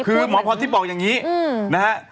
คือหมอพรทิพย์บอกอย่างนี้นะฮะ